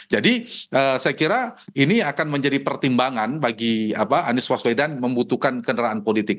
jadi saya kira ini akan menjadi pertimbangan bagi anies baswedan membutuhkan kendaraan politik